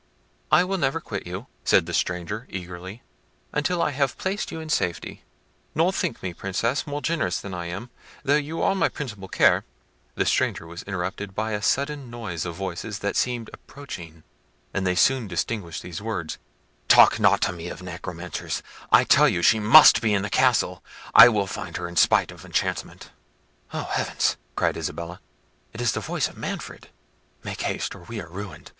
"I will never quit you," said the stranger eagerly, "until I have placed you in safety—nor think me, Princess, more generous than I am; though you are my principal care—" The stranger was interrupted by a sudden noise of voices that seemed approaching, and they soon distinguished these words— "Talk not to me of necromancers; I tell you she must be in the castle; I will find her in spite of enchantment." "Oh, heavens!" cried Isabella; "it is the voice of Manfred! Make haste, or we are ruined!